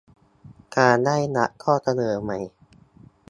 การได้รับข้อเสนอใหม่